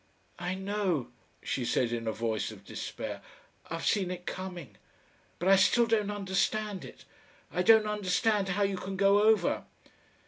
"I know," she said, in a voice of despair, "I've seen it coming. But I still don't understand it. I don't understand how you can go over."